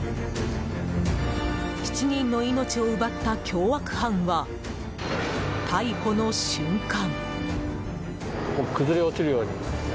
７人の命を奪った凶悪犯は逮捕の瞬間。